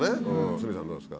鷲見さんどうですか？